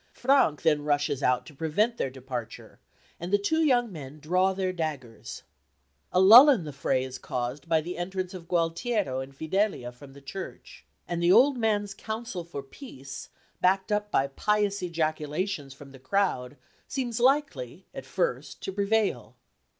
Frank then rushes on to prevent their departure, and the two young men draw their daggers. A lull in the fray is caused by the entrance of Gualtiero and Fidelia from the church; and the old man's counsel for peace backed up by pious ejaculations from the crowd, seems likely at first to prevail.